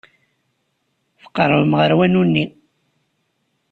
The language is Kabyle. Tqerrbem ɣer wanu-nni.